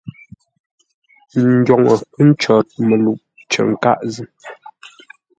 Ndwoŋə pə̌ ncwor məluʼ cər nkâʼ zʉ́.